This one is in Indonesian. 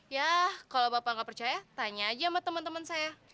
yah kalo bapak ga percaya tanya aja sama temen temen saya